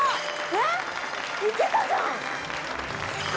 えっいけたじゃん！